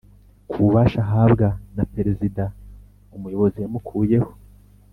Ku bubasha ahabwa na Perezida Umuyobozi yamukuyeho